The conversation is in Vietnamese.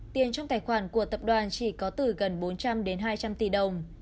tiền trong tài khoản của tập đoàn chỉ có từ gần bốn trăm linh đến hai trăm linh tỷ đồng